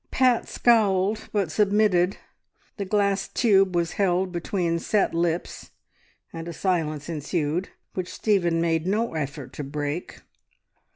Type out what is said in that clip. Pat scowled, but submitted. The glass tube was held between set lips, and a silence ensued which Stephen made no effort to break.